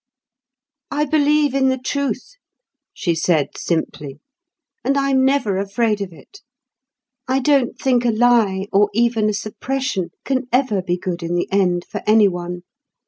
"I believe in the truth," she said simply; "and I'm never afraid of it. I don't think a lie, or even a suppression, can ever be good in the end for any one.